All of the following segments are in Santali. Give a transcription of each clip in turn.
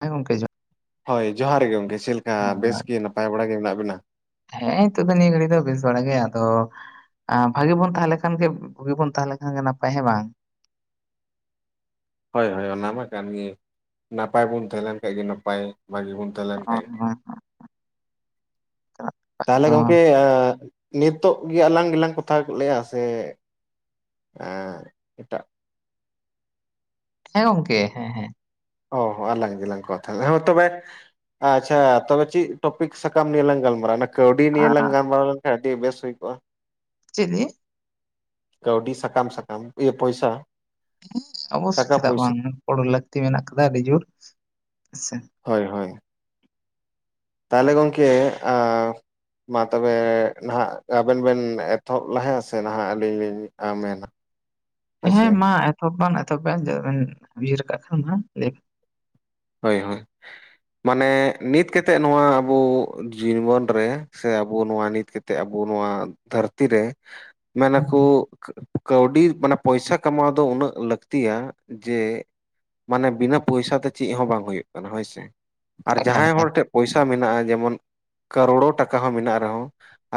ᱦᱮᱸ ᱜᱚᱝᱠᱮ ᱡᱚᱦᱟᱨᱼᱼ ᱦᱚᱭ ᱡᱚᱦᱟᱨ ᱜᱮ ᱜᱚᱝᱠᱮ ᱪᱮᱜ ᱞᱮᱠᱟ ᱵᱮᱥ ᱡᱚᱦᱟᱨ ᱜᱮ ᱱᱟᱯᱟᱭ ᱵᱟᱲᱟ ᱜᱮ ᱢᱮᱱᱟᱜ ᱵᱮᱱᱟ? ᱦᱮᱸ ᱱᱤᱛᱚᱜ ᱫᱚ ᱱᱤᱭᱟᱹ ᱜᱷᱟᱹᱲᱤ ᱫᱚ ᱵᱮᱥ ᱵᱟᱲᱟ ᱜᱮ ᱟᱫᱚᱼᱼ ᱟᱸᱻ ᱵᱷᱟᱜᱤ ᱵᱚᱱ ᱛᱟᱦᱮᱸ ᱞᱮᱠᱷᱟᱱ ᱜᱮ ᱵᱩᱜᱤ ᱵᱚᱱ ᱛᱟᱦᱮᱸ ᱞᱮᱠᱷᱟᱱ ᱜᱮ ᱱᱟᱯᱟᱭ ᱦᱮᱸ ᱵᱟᱝ᱾ ᱦᱳᱭ ᱦᱳᱭ ᱚᱱᱟ ᱢᱟ ᱠᱟᱱ ᱜᱮ᱾ ᱱᱟᱯᱟᱭ ᱵᱚᱱ ᱛᱟᱦᱮᱸ ᱞᱮᱱ ᱠᱷᱟᱱ ᱜᱮ ᱱᱟᱯᱟᱭ ᱵᱷᱟᱜᱤ ᱵᱚᱱ ᱛᱟᱦᱮ ᱞᱮᱱᱠᱷᱟᱱ ᱜᱮ [unintelligible] ᱛᱟᱦᱚᱞᱮ ᱟᱫᱚ ᱜᱚᱝᱠᱮ ᱱᱤᱛᱚᱜ ᱜᱮ ᱟᱞᱟᱝ ᱜᱮᱞᱟᱝ ᱠᱟᱛᱷᱟ [unintelligible] ᱞᱮᱭᱟ ᱥᱮ [unintelligible] ᱮᱴᱟᱜ ᱦᱮᱸ ᱜᱚᱝᱠᱮ ᱦᱮᱸ ᱦᱮᱸ ᱾ ᱚ ᱦᱚᱸ ᱟᱞᱟᱝ ᱜᱮ ᱞᱟᱝ ᱠᱟᱛᱷᱟ [unintelligible] ᱛᱚᱵᱮ ᱟᱪᱪᱷᱟ ᱛᱚᱵᱮ ᱪᱮᱫ ᱴᱚᱯᱤᱠ ᱥᱟᱠᱟᱢ ᱱᱤᱭᱮ ᱞᱟᱝ ᱜᱟᱞᱢᱟᱨᱟᱣ-ᱟ ᱠᱟᱹᱣᱰᱤ ᱱᱤᱭᱮ ᱞᱟᱝ ᱟᱨ ᱜᱟᱞᱢᱟᱨᱟᱣ ᱞᱮᱱᱠᱷᱟᱱ ᱟᱹᱰᱤ ᱵᱮᱥ ᱦᱩᱭ ᱠᱚᱜᱼᱟ ᱾ ᱪᱮᱫ ᱱᱤᱭᱮ? ᱠᱟᱹᱣᱰᱤ ᱥᱟᱠᱟᱢ [unintelligible] ᱤᱭᱟᱹ ᱯᱚᱭᱥᱟ ᱾ ᱚᱵᱚᱥᱥᱳᱭ ᱪᱮᱫᱟᱜ ᱵᱟᱝ ᱜᱚᱲᱚ ᱞᱟᱹᱠᱛᱤ ᱢᱮᱱᱟᱜ ᱠᱟᱫᱟ ᱟᱹᱰᱤ ᱡᱳᱨ ᱦᱮᱸᱥᱮ ᱦᱳᱭ ᱦᱳᱭ ᱾ ᱛᱟᱦᱚᱞᱮ ᱜᱚᱝᱠᱮ ᱟᱸᱻ᱾ ᱢᱟ ᱛᱚᱵᱮ ᱱᱟᱦᱟᱸᱜ ᱟᱵᱮᱱ ᱵᱮᱱ ᱮᱛᱚᱦᱚᱵ ᱞᱟᱦᱟᱭᱟ ᱥᱮ ᱱᱟᱦᱸᱜ ᱟᱹᱞᱤᱧ ᱞᱤᱧ ᱟᱸ ᱢᱮᱱᱟ? [inaudible] ᱦᱮᱸ ᱢᱟ ᱮᱛᱚᱦᱚᱵ ᱵᱟᱝ ᱮᱛᱚᱦᱚᱵ ᱵᱮᱱ ᱪᱮᱛ ᱵᱮᱱ ᱩᱭᱦᱟᱹᱨ ᱠᱟᱜ ᱠᱷᱟᱱ ᱢᱟ ᱞᱟᱹᱭ ᱦᱳᱭ ᱦᱳᱭ ᱾ ᱢᱟᱱᱮ ᱱᱤᱛ ᱠᱟᱛᱮ ᱱᱚᱣᱟ ᱟᱵᱚ ᱡᱤᱵᱚᱱ ᱨᱮ ᱥᱮ ᱟᱵᱚ ᱱᱚᱣᱟ ᱱᱤᱛ ᱠᱟᱛᱮ ᱟᱵᱚ ᱱᱚᱣᱟ ᱫᱷᱟᱹᱨᱛᱤ ᱨᱮ ᱢᱮᱱ ᱦᱩᱸ ᱟᱠᱚ ᱦᱩᱸ ᱠᱟᱹᱣᱰᱤ ᱢᱟᱱᱮ ᱯᱚᱭᱥᱟ ᱠᱟᱢᱟᱣ ᱫᱚ ᱩᱱᱟᱹᱜ ᱞᱟᱹᱠᱛᱤᱭᱟ ᱡᱮ ᱢᱟᱱᱮ ᱵᱤᱱᱟᱹ ᱯᱚᱭᱥᱟ ᱛᱮ ᱪᱮᱫ ᱦᱚᱸ ᱵᱟᱝ ᱦᱩᱭᱩᱜ ᱠᱟᱱᱟ ᱦᱳᱭᱥᱮ ᱟᱨ ᱮᱠᱟᱞ ᱡᱟᱦᱟᱸᱭ ᱮᱠᱟᱞ ᱦᱚᱲ ᱴᱷᱮᱱ ᱯᱚᱭᱥᱟ ᱢᱮᱱᱟᱜᱼᱟ ᱡᱮᱢᱚᱱ ᱠᱟᱨᱳᱲᱚ ᱴᱟᱠᱟ ᱦᱚᱸ ᱢᱮᱱᱟᱜ ᱨᱮᱦᱚᱸ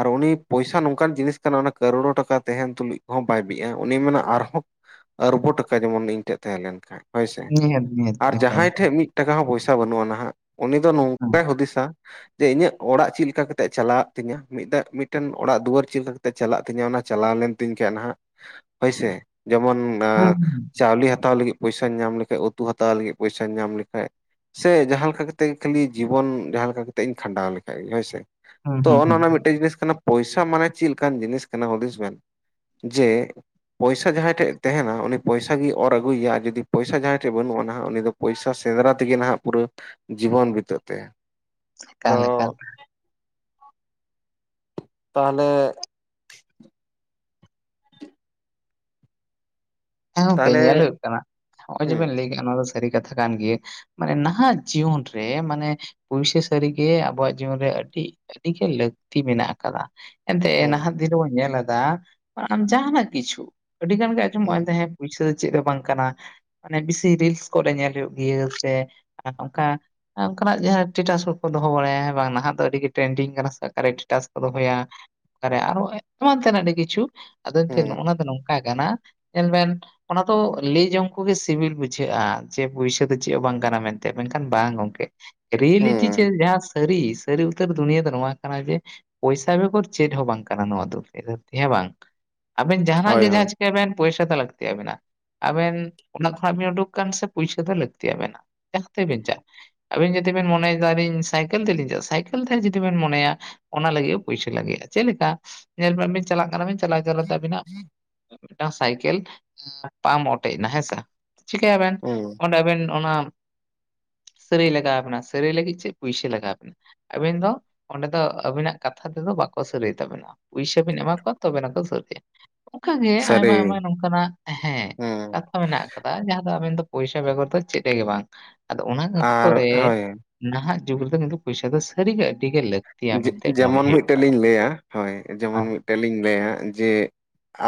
ᱟᱨ ᱩᱱᱤ ᱯᱚᱭᱥᱟ ᱱᱚᱝᱠᱟᱱ ᱡᱤᱱᱤᱥ ᱠᱟᱱᱟ ᱚᱱᱟ ᱠᱟᱨᱳᱲᱳ ᱴᱟᱠᱟ ᱛᱟᱦᱮᱱ ᱛᱩᱞᱩᱡ ᱦᱚᱸ ᱵᱟᱭ ᱵᱤᱜᱼᱟ ᱩᱱᱤ ᱢᱮᱱᱟ ᱟᱨᱦᱚᱸ ᱟᱨᱵᱳ ᱴᱟᱠᱟ ᱡᱮᱢᱚᱱ ᱤᱧ ᱴᱷᱮᱱ ᱛᱟᱦᱮᱸ ᱞᱮᱱ ᱠᱷᱟᱱ ᱦᱳᱭᱥᱮ ᱱᱤᱦᱟᱹᱛ ᱱᱤᱦᱟᱹᱛ ᱟᱨ ᱮᱠᱟᱞ ᱡᱟᱦᱟᱸᱭ ᱮᱠᱟᱞ ᱴᱷᱮᱡ ᱢᱤᱫ ᱴᱟᱠᱟ ᱦᱚᱸ ᱯᱚᱭᱥᱟ ᱵᱟᱹᱱᱩᱜᱼᱟ ᱱᱟᱦᱜ ᱩᱱᱤ ᱫᱚ ᱦᱩᱸ ᱱᱚᱝᱠᱟᱭ ᱦᱩᱫᱤᱥᱟ ᱡᱮ ᱤᱧᱟᱹᱜ ᱚᱲᱟᱜ ᱪᱮᱫ ᱞᱮᱠᱟ ᱠᱟᱛᱮ ᱪᱟᱞᱟᱜ ᱛᱤᱧᱟᱹ ᱢᱤᱫ ᱫᱟ ᱢᱤᱫᱴᱮᱱ ᱚᱲᱟᱜ ᱫᱩᱣᱟᱹᱨ ᱪᱮᱫᱠᱟ ᱛᱮ ᱪᱟᱞᱟᱜ ᱛᱤᱧᱟᱹ ᱚᱱᱟ ᱪᱟᱞᱟᱣ ᱞᱮᱱ ᱛᱤᱧ ᱠᱷᱟᱱ ᱱᱟᱦᱜ ᱦᱳᱭ ᱥᱮ ᱡᱮᱢᱚᱱ ᱚᱱᱟ ᱦᱩᱸ ᱪᱟᱣᱞᱮ ᱦᱟᱛᱟᱣ ᱞᱟᱹᱜᱤᱫ ᱯᱚᱭᱥᱟᱧ ᱧᱟᱢ ᱞᱮᱠᱷᱟᱡ ᱩᱛᱩ ᱦᱟᱛᱟᱣ ᱞᱟᱹᱜᱤᱫ ᱯᱚᱭᱥᱟᱧ ᱧᱟᱢ ᱞᱮᱠᱷᱟᱡ ᱥᱮ ᱡᱟᱦᱟᱸ ᱞᱮᱠᱟ ᱠᱟᱛᱮ ᱠᱷᱟᱹᱞᱤ ᱡᱤᱵᱚᱱ ᱡᱟᱦᱟᱸ ᱞᱮᱠᱟ ᱠᱟᱛᱮ ᱤᱧ ᱠᱷᱟᱸᱰᱟᱣ ᱞᱮᱠᱷᱟᱡ ᱜᱮ ᱦᱳᱭ ᱥᱮ ᱦᱩᱸ ᱛᱚ ᱦᱩᱸ ᱚᱱᱮ ᱦᱩᱸ ᱚᱱᱟ ᱢᱤᱫᱴᱮᱱ ᱡᱤᱱᱤᱥ ᱠᱟᱱᱟ ᱯᱚᱭᱥᱟ ᱢᱟᱱᱮ ᱪᱮᱫ ᱞᱮᱠᱟᱱ ᱡᱤᱱᱤᱥ ᱠᱟᱱᱟ ᱦᱩᱫᱤᱥ ᱵᱮᱱ ᱡᱮ ᱯᱚᱭᱥᱟ ᱡᱟᱦᱟᱸᱭ ᱴᱷᱮᱡ ᱛᱟᱦᱮᱱᱟ ᱩᱱᱤ ᱯᱚᱭᱥᱟ ᱚᱨ ᱟᱜᱩᱭᱮᱭᱟ ᱟᱨ ᱡᱩᱫᱤ ᱯᱚᱭᱥᱟ ᱡᱟᱦᱟᱸᱭ ᱴᱷᱮᱡ ᱵᱟᱹᱱᱩᱜ ᱟ ᱱᱟᱦᱜ ᱩᱱᱤ ᱫᱚ ᱯᱚᱭᱥᱟ ᱥᱮᱸᱫᱽᱨᱟ ᱛᱮᱜᱮ ᱱᱟᱦᱜ ᱯᱩᱨᱟᱹ ᱡᱤᱵᱚᱱ ᱵᱤᱛᱟᱹᱜ ᱛᱟᱭᱟ ᱾ ᱮᱠᱟᱞ ᱮᱠᱟᱞ ᱛᱟᱦᱚᱞᱮ ᱦᱮᱸ ᱜᱚᱝᱠᱮ ᱛᱟᱦᱚᱞᱮ ᱧᱮᱞ ᱦᱩᱭᱩᱜ ᱠᱟᱱᱟ ᱱᱚᱜᱼᱚᱭ ᱡᱮᱵᱮᱱ ᱦᱩᱸ ᱞᱟᱹᱭ ᱠᱮᱫᱼᱟ ᱱᱚᱣᱟ ᱫᱚ ᱥᱟᱹᱨᱤ ᱠᱟᱛᱷᱟ ᱠᱟᱱ ᱜᱮᱭᱟ ᱾ ᱢᱟᱱᱮ ᱱᱟᱦᱟᱜ ᱡᱤᱭᱚᱱ ᱨᱮ ᱢᱟᱱᱮ ᱯᱩᱭᱥᱟ ᱥᱟᱹᱨᱤ ᱜᱮ ᱟᱵᱚᱣᱟᱜ ᱡᱤᱭᱚᱱ ᱨᱮ ᱟᱹᱰᱤ ᱟᱹᱰᱤ ᱜᱮ ᱞᱟᱹᱠᱛᱤ ᱢᱮᱱᱟᱜ ᱟᱠᱟᱫᱟ ᱾ ᱮᱱᱛᱮ ᱱᱟᱦᱟᱜ ᱦᱩᱸ ᱫᱤᱱ ᱨᱮ ᱵᱚᱱ ᱧᱮᱞ ᱮᱫᱟ ᱟᱢ ᱡᱟᱦᱟᱱᱟᱜ ᱠᱤᱪᱷᱩ ᱟᱹᱰᱤ ᱜᱟᱱ ᱜᱮ ᱟᱡᱚᱢᱚᱜᱼᱟ ᱦᱩᱸ ᱦᱮᱸ ᱯᱩᱭᱥᱟ ᱫᱚ ᱪᱮᱫ ᱦᱚᱸ ᱵᱟᱝ ᱠᱟᱱᱟ ᱾ ᱢᱟᱱᱮ ᱵᱮᱥᱤ ᱨᱤᱞᱥ ᱠᱚᱨᱮ ᱧᱮᱞ ᱦᱩᱭᱩᱜ ᱜᱮᱭᱟ ᱥᱮ ᱚᱱᱠᱟ ᱚᱱᱠᱟᱱᱟᱜ ᱡᱟᱦᱟᱸ ᱮᱥᱴᱮᱴᱟᱥ ᱠᱚ ᱠᱚ ᱫᱚᱦᱚ ᱵᱟᱲᱟᱭᱟ ᱵᱟᱝ ᱱᱟᱦᱟᱜ ᱫᱚ ᱟᱹᱰᱤ ᱜᱮ ᱴᱨᱮᱱᱰᱤᱝ ᱠᱟᱱᱟ ᱥᱮ ᱚᱠᱟᱨᱮ ᱮᱥᱴᱮᱴᱟᱥ ᱠᱚ ᱫᱚᱦᱚᱭᱟ ᱚᱠᱟᱨᱮ ᱟᱨᱦᱚᱸ ᱮᱢᱟᱱ ᱛᱮᱱᱟᱜ ᱟᱹᱰᱤ ᱠᱤᱪᱷᱩ ᱟᱫᱚ ᱮᱱᱛᱮ ᱦᱩᱸ ᱱᱚᱼᱱᱶᱟ ᱫᱚ ᱱᱚᱝᱠᱟ ᱠᱟᱱᱟ ᱧᱮᱞ ᱵᱮᱱ ᱚᱱᱟ ᱫᱚ ᱞᱟᱹᱭ ᱡᱚᱝ ᱠᱚᱜᱮ ᱥᱤᱵᱤᱞ ᱵᱩᱡᱷᱟᱹᱜᱼᱟ ᱡᱮ ᱯᱩᱭᱥᱟᱹ ᱫᱚ ᱪᱮᱫ ᱦᱚᱸ ᱵᱟᱝ ᱠᱟᱱᱟ ᱢᱮᱱ ᱛᱮ ᱢᱮᱱᱠᱷᱟᱱ ᱵᱟᱝ ᱜᱚᱝᱠᱮ ᱨᱤᱭᱮᱞᱤᱴᱤ ᱡᱮ ᱦᱩᱸ ᱡᱟᱦᱟᱸ ᱥᱟᱹᱨᱤ ᱥᱟᱹᱨᱤ ᱩᱛᱟᱹᱨ ᱫᱩᱱᱤᱭᱟᱹ ᱫᱚ ᱱᱚᱣᱟ ᱠᱟᱱᱟ ᱡᱮ ᱯᱚᱭᱥᱟ ᱵᱮᱜᱚᱨ ᱪᱮᱫ ᱦᱚᱸ ᱵᱟᱝ ᱠᱟᱱᱟ ᱱᱚᱣᱟ ᱫᱚ ᱦᱮᱸ ᱵᱟᱝ ᱟᱵᱮᱱ ᱡᱟᱦᱱᱟᱜ ᱦᱳᱭ ᱜᱮ ᱦᱳᱭ ᱡᱟᱦᱟᱸ ᱪᱤᱠᱟᱹᱭ ᱵᱮᱱ ᱯᱚᱭᱥᱟ ᱛᱚ ᱞᱟᱹᱠᱛᱤ ᱟᱵᱮᱱᱟ ᱾ ᱟᱵᱮᱱ ᱚᱱᱟᱜ ᱠᱷᱚᱱᱟᱜ ᱵᱮᱱ ᱩᱰᱩᱠ ᱟᱠᱟᱱ ᱥᱮ ᱯᱩᱭᱥᱟᱹ ᱫᱚ ᱞᱟᱹᱠᱛᱤᱭᱟᱵᱮᱱᱟᱜ ᱡᱟᱦᱟᱸ ᱛᱮᱵᱮᱱ ᱪᱟᱞᱟᱜ ᱟᱹᱵᱤᱱ ᱡᱩᱫᱤ ᱵᱮᱱ ᱢᱚᱱᱮᱭ ᱫᱟ ᱟᱞᱤᱧ ᱥᱟᱭᱠᱮᱞ ᱛᱮᱞᱤᱧ ᱪᱟᱞᱟᱜ ᱥᱟᱭᱠᱮᱞ ᱛᱮ ᱡᱩᱫᱤ ᱵᱮᱱ ᱢᱚᱱᱮᱭᱟ ᱚᱱᱟ ᱞᱟᱹᱜᱤᱫ ᱯᱩᱭᱥᱟ ᱞᱟᱜᱟᱼᱟ ᱪᱮᱫ ᱞᱮᱠᱟ ᱧᱮᱞ ᱢᱮ ᱵᱤᱱ ᱪᱟᱞᱟᱜ ᱠᱟᱱᱟ ᱵᱤᱱ ᱪᱟᱞᱟᱣᱛᱮ ᱟᱹᱵᱤᱱᱟᱜ ᱢᱤᱫᱴᱟᱝ ᱥᱟᱭᱠᱮᱞ ᱯᱟᱢ ᱚᱴᱮᱡ ᱮᱱᱟ ᱦᱮᱸᱥᱮ ᱪᱤᱠᱟᱹᱭᱟᱵᱮᱱ ᱦᱩᱸ ᱚᱸᱰᱮ ᱟᱵᱮᱱ ᱚᱱᱟ ᱥᱟᱹᱨᱟᱹᱭ ᱞᱟᱜᱟᱣ ᱵᱮᱱᱟ ᱥᱟᱹᱨᱟᱹᱭ ᱞᱟᱹᱜᱤᱫ ᱪᱮᱫ ᱯᱩᱭᱥᱟᱹ ᱞᱟᱜᱟᱣ ᱵᱮᱱᱟ ᱟᱹᱵᱤᱱ ᱫᱚ ᱚᱸᱰᱮ ᱫᱚ ᱟᱹᱵᱤᱱᱟᱜ ᱠᱟᱛᱷᱟ ᱛᱮᱫᱚ ᱵᱟᱠᱚ ᱥᱟᱹᱨᱟᱹᱭ ᱛᱟᱵᱤᱱᱟ ᱯᱩᱭᱥᱟ ᱵᱤᱱ ᱮᱢᱟ ᱠᱚᱣᱟ ᱛᱚᱵᱮᱱᱟᱠᱚ ᱥᱟᱹᱨᱟᱹᱭᱟ ᱚᱱᱠᱟ ᱜᱮ ᱥᱟᱹᱨᱤ ᱟᱭᱢᱟ ᱟᱭᱢᱟ ᱱᱚᱝᱠᱟᱱᱟᱜ ᱦᱮᱸ ᱦᱩᱸ ᱢᱮᱱᱟᱜ ᱠᱟᱫᱟ ᱡᱟᱦᱟᱸ ᱫᱚ ᱟᱵᱮᱱ ᱫᱚ ᱯᱚᱭᱥᱟ ᱵᱮᱜᱚᱨ ᱫᱚ ᱪᱮᱫ ᱨᱮ ᱜᱮ ᱵᱟᱝ ᱟᱫᱚ ᱚᱱᱟ ᱚᱠᱛᱚ ᱟᱨ ᱨᱮ ᱦᱳᱭ ᱱᱟᱦᱟᱜ ᱡᱩᱜᱽ ᱨᱮ ᱫᱚ ᱠᱤᱱᱛᱩ ᱯᱚᱭᱥᱟ ᱫᱚ ᱟᱰᱤ ᱜᱮ ᱟᱰᱤ ᱜᱮ ᱞᱟᱠᱛᱤ ᱡᱮᱢᱚᱱ ᱢᱤᱫᱴᱮᱱ ᱞᱤᱧ ᱞᱟᱹᱭᱟ ᱦᱳᱭ ᱡᱮᱢᱚᱱ ᱟᱨ ᱢᱤᱫ ᱢᱤᱫᱴᱮᱱ ᱞᱤᱧ ᱞᱟᱹᱭᱟ ᱡᱮ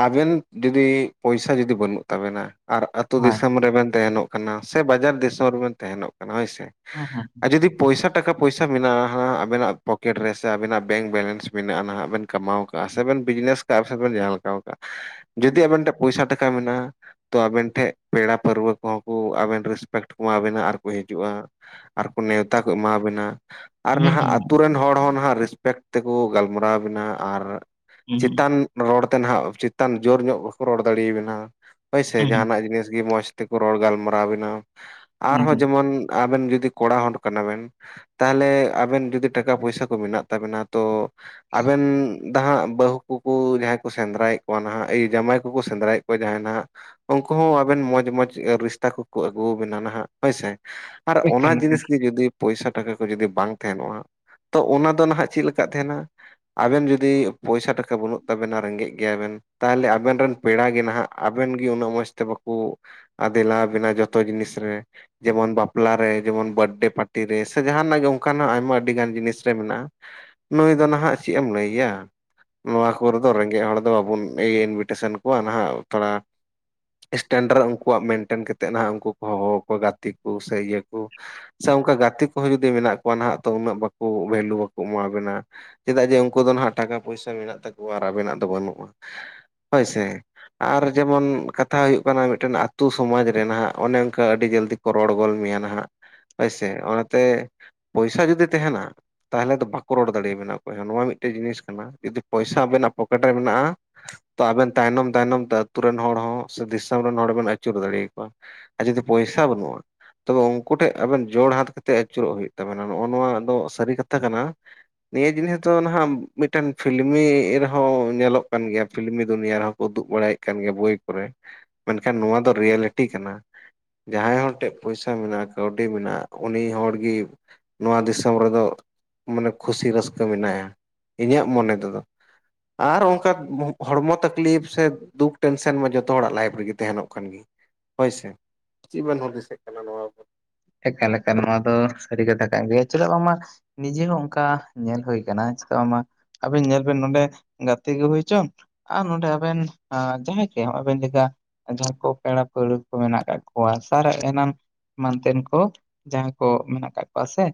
ᱟᱵᱮᱱ ᱡᱩᱫᱤ ᱯᱚᱭᱥᱟ ᱡᱩᱫᱤ ᱵᱟᱹᱱᱩᱜ ᱛᱟᱵᱮᱱᱟ ᱟᱨ ᱟᱹᱛᱩ ᱦᱳᱭ ᱫᱤᱥᱚᱢ ᱨᱮᱵᱮᱱ ᱛᱟᱦᱮᱱᱚᱜ ᱠᱟᱱᱟ ᱥᱮ ᱵᱟᱡᱟᱨ ᱫᱤᱥᱚᱢ ᱨᱮᱵᱮᱱ ᱛᱟᱦᱮᱱᱚᱜ ᱠᱟᱱᱟ ᱦᱳᱭ ᱥᱮ ᱦᱩᱸ ᱟᱨ ᱡᱩᱫᱤ ᱯᱚᱭᱥᱟ ᱴᱟᱠᱟ ᱯᱚᱭᱥᱟ ᱢᱮᱱᱟᱜᱼᱟ ᱟᱵᱮᱱᱟᱜ ᱯᱚᱠᱮᱴ ᱨᱮᱥᱮ ᱟᱵᱤᱱᱟᱜ ᱵᱮᱝᱠ ᱵᱮᱞᱮᱱᱥ ᱢᱮᱱᱟᱜᱼᱟ ᱱᱟᱦᱜ ᱵᱮᱱ ᱠᱟᱢᱟᱣ ᱠᱟᱜᱼᱟ ᱥᱮ ᱵᱮᱱ ᱵᱤᱡᱽᱱᱮᱥ ᱠᱟᱜᱼᱟ ᱥᱮ ᱵᱮᱱ ᱡᱟᱦᱟᱸ ᱞᱮᱠᱟᱣ ᱠᱟᱜᱼᱟ ᱾ ᱡᱩᱫᱤ ᱦᱩᱸ ᱟᱵᱤᱱ ᱴᱮᱱ ᱯᱚᱭᱥᱟ ᱴᱟᱠᱟ ᱢᱮᱱᱟᱜᱼᱟ ᱾ ᱛᱚ ᱟᱵᱮᱱ ᱴᱷᱮᱱ ᱯᱮᱲᱟ ᱯᱟᱹᱨᱣᱟᱹ ᱠᱚᱦᱚᱸ ᱠᱚ ᱟᱵᱮᱱ ᱨᱮᱥᱯᱮᱠᱴ ᱠᱚᱢᱟᱵᱮᱱᱟ ᱟᱨᱠᱚ ᱦᱤᱡᱩᱜᱼᱟ ᱟᱨᱠᱚ ᱱᱮᱣᱛᱟ ᱠᱚ ᱮᱢᱟᱵᱮᱱᱟ ᱟᱨ ᱦᱩᱸ ᱦᱩᱸ ᱱᱟᱦᱟᱜ ᱟᱛᱳ ᱨᱮᱱ ᱦᱚᱲ ᱦᱚᱸ ᱱᱟᱦᱟᱜ ᱨᱮᱥᱯᱮᱠᱴ ᱛᱮᱠᱚ ᱜᱟᱞᱢᱟᱨᱟᱣ ᱵᱮᱱᱟ ᱟᱨ ᱦᱩᱸ ᱦᱩᱸ ᱪᱮᱛᱟᱱ ᱨᱚᱲᱛᱮ ᱱᱟᱦᱱᱟᱜ ᱪᱮᱛᱟᱱ ᱡᱳᱨ ᱧᱚᱜ ᱵᱟᱠᱚ ᱨᱚᱲ ᱫᱟᱲᱮᱭᱟᱵᱮᱱᱟ ᱦᱚᱭ ᱥᱮ ᱦᱩᱸ ᱡᱟᱦᱟᱱᱟᱜ ᱡᱤᱱᱤᱥ ᱜᱮ ᱢᱚᱸᱡᱽ ᱛᱮᱠᱚ ᱨᱚᱲ ᱜᱟᱞᱢᱟᱨᱟᱣ ᱵᱮᱱᱟ ᱦᱩᱸ ᱟᱨᱦᱚᱸ ᱦᱩᱸ ᱡᱮᱢᱚᱱ ᱟᱵᱮᱱ ᱡᱩᱫᱤ ᱠᱚᱲᱟ ᱦᱚᱲ ᱠᱟᱱᱟ ᱵᱮᱱ ᱛᱟᱦᱚᱞᱮ ᱟᱵᱮᱱ ᱡᱩᱫᱤ ᱴᱟᱠᱟ ᱯᱚᱭᱥᱟ ᱠᱚ ᱢᱮᱱᱟᱜ ᱛᱟᱵᱮᱱᱟ ᱛᱚ ᱟᱵᱮᱱ ᱫᱚ ᱦᱟᱸᱜ ᱵᱟᱹᱦᱩ ᱠᱚᱠᱚ ᱡᱟᱦᱟᱸᱭ ᱠᱚ ᱥᱮᱸᱫᱽᱨᱟᱭᱮᱫ ᱠᱚᱣᱟ ᱱᱟᱦᱟᱜ ᱡᱟᱶᱟᱭ ᱠᱚᱠᱚ ᱥᱮᱸᱫᱽᱨᱟᱭᱮᱫ ᱠᱚᱣᱟ ᱡᱟᱦᱟᱸᱭ ᱱᱟᱜ ᱩᱱᱠᱩ ᱦᱚᱸ ᱟᱵᱮᱱ ᱢᱚᱡᱽ ᱢᱚᱡᱽ ᱨᱤᱥᱛᱟ ᱠᱚᱠᱚ ᱟᱹᱜᱩᱣᱟ ᱵᱮᱱᱟ ᱱᱟᱦᱟᱜ ᱦᱳᱭᱥᱮ ᱟᱨ ᱚᱱᱟ ᱮᱠᱟᱞ ᱡᱤᱱᱤᱥ ᱜᱮ ᱡᱚᱫᱤ ᱯᱚᱭᱥᱟ ᱴᱟᱠᱟ ᱠᱚ ᱡᱩᱫᱤ ᱵᱟᱝ ᱛᱟᱦᱮᱱᱚᱜᱼᱟ ᱛᱚ ᱚᱱᱟ ᱫᱚ ᱱᱟᱦᱟᱜ ᱪᱮᱫ ᱞᱮᱠᱟ ᱛᱟᱦᱮᱱᱟ ᱟᱵᱮᱱ ᱡᱩᱫᱤ ᱯᱚᱭᱥᱟ ᱴᱟᱠᱟ ᱵᱟᱹᱱᱩᱜ ᱛᱟᱵᱮᱱᱟ ᱨᱮᱸᱜᱮᱡ ᱜᱮᱭᱟ ᱵᱮᱱ ᱛᱟᱦᱚᱞᱮ ᱟᱵᱮᱱ ᱨᱮᱱ ᱯᱮᱲᱟᱜᱮ ᱱᱟᱦᱟᱜ ᱟᱵᱮᱱ ᱜᱮ ᱩᱱᱟᱹᱜ ᱢᱚᱡᱽ ᱛᱮ ᱵᱟᱠᱚ ᱟᱫᱮᱞᱟ ᱵᱮᱱᱟᱣ ᱡᱚᱛᱚ ᱡᱤᱱᱤᱥ ᱨᱮ ᱡᱮᱢᱚᱱ ᱵᱟᱯᱞᱟᱨᱮ ᱡᱮᱢᱚᱱ ᱵᱟᱨᱛᱷᱰᱮ ᱯᱟᱨᱴᱤ ᱨᱮ ᱥᱮ ᱡᱟᱦᱟᱱᱟᱜ ᱜᱮ ᱚᱱᱠᱟᱱᱟᱜ ᱟᱭᱢᱟ ᱟᱹᱰᱤᱜᱟᱱ ᱡᱤᱱᱤᱥ ᱨᱮ ᱢᱮᱱᱟᱜᱼᱟ ᱱᱩᱭ ᱫᱚ ᱱᱟᱦᱟᱜ ᱪᱮᱫ ᱮᱢ ᱞᱟᱹᱭᱮᱭᱟ ᱱᱚᱣᱟ ᱠᱚᱨᱮ ᱫᱚ ᱨᱮᱸᱜᱮᱡ ᱦᱚᱲ ᱫᱚ ᱵᱟᱵᱚᱱ ᱤᱱᱵᱷᱤᱴᱮᱥᱮᱱ ᱠᱚᱣᱟ ᱱᱟᱦᱟᱜ ᱛᱷᱚᱲᱟ ᱥᱴᱮᱱᱰᱟᱨ ᱩᱱᱠᱩᱣᱟᱜ ᱢᱮᱱᱴᱮᱱ ᱠᱟᱛᱮᱫ ᱱᱟᱦᱟᱜ ᱩᱱᱠᱩ ᱠᱚ ᱦᱚᱦᱚ ᱟᱠᱚᱣᱟ ᱜᱟᱛᱮ ᱠᱚ ᱥᱮ ᱤᱭᱟᱹ ᱠᱚ ᱥᱮ ᱚᱱᱠᱟ ᱜᱟᱛᱮ ᱠᱚᱦᱚᱸ ᱡᱩᱫᱤ ᱢᱮᱱᱟᱜ ᱠᱚᱣᱟ ᱱᱟᱦᱟᱜ ᱩᱱᱟᱹᱜ ᱵᱟᱠᱚ ᱵᱷᱮᱞᱩ ᱵᱟᱠᱚ ᱮᱢᱟᱵᱮᱱᱟ ᱪᱮᱫᱟᱜ ᱡᱮ ᱩᱱᱠᱩ ᱫᱚ ᱦᱟᱜ ᱴᱟᱠᱟ ᱯᱚᱭᱥᱟ ᱢᱮᱱᱟᱜ ᱛᱟᱠᱚᱣᱟ ᱟᱨ ᱟᱵᱮᱱᱟᱜ ᱫᱚ ᱵᱟᱹᱱᱩᱜᱼᱟ ᱦᱳᱭᱥᱮ ᱟᱨ ᱡᱮᱢᱚᱱ ᱠᱟᱛᱷᱟ ᱦᱩᱭᱩᱜ ᱠᱟᱱᱟ ᱢᱤᱫᱴᱮᱱ ᱟᱛᱳ ᱥᱚᱢᱟᱡᱽ ᱨᱮ ᱱᱟᱦᱟᱜ ᱚᱱᱮ ᱚᱱᱠᱟ ᱟᱹᱰᱤ ᱡᱚᱞᱫᱤ ᱠᱚ ᱨᱚᱲ ᱜᱚᱫ ᱢᱮᱭᱟ ᱱᱟᱦᱟᱜ ᱦᱳᱭᱥᱮ ᱚᱱᱟᱛᱮ ᱤᱪᱪᱷᱟ ᱡᱩᱫᱤ ᱛᱟᱦᱮᱱᱟ ᱛᱟᱦᱚᱞᱮ ᱫᱚ ᱵᱟᱠᱚ ᱨᱚᱲ ᱫᱟᱲᱮᱭᱟᱵᱮᱱᱟ ᱚᱠᱚᱭ ᱦᱚᱸ ᱱᱚᱣᱟ ᱢᱤᱫᱴᱮᱱ ᱡᱤᱱᱤᱥ ᱠᱟᱱᱟ ᱡᱩᱫᱤ ᱯᱚᱭᱥᱟ ᱟᱵᱮᱱᱟᱜ ᱯᱚᱠᱮᱴ ᱨᱮ ᱢᱮᱱᱟᱜᱼᱟ ᱛᱚ ᱟᱵᱮᱱ ᱛᱟᱭᱱᱚᱢ ᱛᱟᱭᱱᱚᱢ ᱛᱮ ᱟᱛᱩ ᱨᱮᱱ ᱦᱚᱲ ᱦᱚᱸ ᱥᱮ ᱫᱤᱥᱚᱢ ᱨᱮᱱ ᱦᱚᱲ ᱵᱮᱱ ᱟᱹᱪᱩᱨ ᱫᱟᱲᱮᱭᱟ ᱠᱚᱣᱟ ᱟᱨ ᱡᱩᱫᱤ ᱯᱚᱭᱥᱟ ᱵᱟᱹᱱᱩᱜᱼᱟ ᱛᱚᱵᱮ ᱩᱱᱠᱩ ᱴᱷᱮᱡ ᱟᱵᱮᱱ ᱡᱳᱲ ᱦᱟᱛ ᱠᱟᱛᱮ ᱟᱹᱪᱩᱨᱚᱜ ᱦᱩᱭᱩᱜ ᱛᱟᱵᱮᱱᱟ ᱱᱚᱜᱼᱚ ᱱᱚᱣᱟ ᱫᱚ ᱥᱟᱹᱨᱤ ᱠᱟᱛᱷᱟ ᱠᱟᱱᱟ ᱱᱤᱭᱟᱹ ᱡᱤᱱᱤᱥ ᱫᱚ ᱱᱟᱦᱟᱜ ᱢᱤᱫᱴᱮᱱ ᱯᱷᱤᱞᱢᱤ ᱨᱮᱦᱚᱸ ᱧᱮᱞᱚᱜ ᱠᱟᱱ ᱜᱮᱭᱟ ᱯᱷᱤᱞᱢᱤ ᱫᱩᱱᱤᱭᱟ ᱨᱮᱦᱚᱸ ᱩᱫᱩᱜ ᱵᱟᱲᱟᱭᱮᱫ ᱠᱟᱱ ᱜᱮᱭᱟ ᱵᱳᱭ ᱠᱚᱨᱮ ᱢᱮᱱᱠᱷᱟᱱ ᱱᱚᱣᱟ ᱫᱚ ᱨᱤᱭᱮᱞᱤᱴᱤ ᱠᱟᱱᱟ ᱡᱟᱦᱟᱸᱭ ᱦᱚᱲ ᱴᱷᱮᱡ ᱯᱚᱭᱥᱟ ᱢᱮᱱᱟᱜᱼᱟ ᱠᱟᱹᱣᱰᱤ ᱢᱮᱱᱟᱜᱼᱟ ᱩᱱᱤ ᱦᱚᱲ ᱜᱮ ᱱᱚᱣᱟ ᱫᱤᱥᱚᱢ ᱨᱮᱫᱚ ᱢᱟᱱᱮ ᱠᱷᱩᱥᱤ ᱨᱟᱹᱥᱠᱟᱹ ᱢᱮᱱᱟᱭᱟ ᱤᱧᱟᱹᱜ ᱢᱚᱱᱮ ᱛᱮᱫᱚ ᱟᱨ ᱚᱱᱠᱟ ᱦᱚᱲᱢᱚ ᱛᱟᱠᱞᱤᱯ ᱥᱮ ᱫᱩᱠ ᱴᱮᱱᱥᱮᱱ ᱢᱟ ᱡᱚᱛᱚ ᱦᱚᱲᱟᱜ ᱞᱟᱭᱤᱯᱷ ᱨᱮᱜᱮ ᱛᱟᱦᱮᱱᱚᱜ ᱠᱟᱱ ᱜᱮ ᱦᱳᱭᱥᱮ ᱪᱮᱫ ᱵᱮᱱ ᱦᱩᱫᱤᱥᱚᱜ ᱠᱟᱱᱟ ᱱᱚᱣᱟ ᱵᱟᱵᱚᱫ? ᱮᱠᱟᱞ ᱮᱠᱟᱞ ᱱᱚᱣᱟ ᱫᱚ ᱥᱟᱹᱨᱤ ᱠᱟᱛᱷᱟ ᱠᱟᱱ ᱜᱮᱭᱟ ᱪᱮᱫᱟᱜ ᱵᱟᱝ ᱢᱟ ᱱᱤᱡᱮ ᱦᱚᱸ ᱚᱱᱠᱟ ᱧᱮᱞ ᱦᱩᱭ ᱠᱟᱱᱟ ᱪᱮᱫᱟᱜ ᱵᱟᱝ ᱢᱟ ᱟᱵᱮᱱ ᱧᱮᱞ ᱵᱤᱱ ᱱᱚᱰᱮ ᱜᱟᱛᱮ ᱜᱮ ᱦᱩᱭᱪᱚᱝ ᱟᱨ ᱱᱚᱸᱰᱮ ᱟᱵᱮᱱ ᱡᱟᱦᱟᱸᱭ ᱜᱮ ᱱᱚᱜᱼ ᱟᱵᱮᱱ ᱞᱮᱠᱟ ᱡᱟᱦᱟᱸ ᱠᱚ ᱯᱮᱲᱟ ᱯᱟᱹᱲᱦᱟᱹ ᱠᱚ ᱢᱮᱱᱟᱜ ᱠᱟᱜ ᱠᱚᱣᱟ ᱥᱟᱨᱟ ᱮᱢᱟᱱᱛᱮᱱ ᱠᱚ ᱡᱟᱦᱟᱸᱭ ᱠᱚ ᱢᱮᱱᱟᱜ ᱠᱟᱜ ᱠᱚᱣᱟ ᱥᱮ